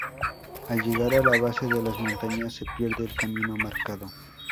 Al llegar a la base de las montañas se pierde el camino marcado.